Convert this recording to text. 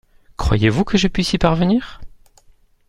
Croyez-vous que je puisse y parvenir ?